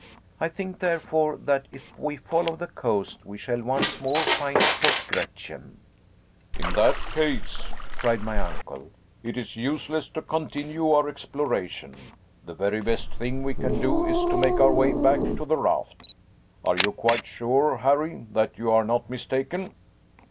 I think, therefore, that if we follow the coast we shall once more find Port Gretchen." "In that case," cried my uncle, "it is useless to continue our exploration. The very best thing we can do is to make our way back to the raft. Are you quite sure, Harry, that you are not mistaken?"